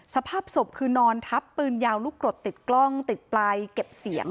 สภาพศพคือนอนทับปืนยาวลูกกรดติดกล้องติดปลายเก็บเสียง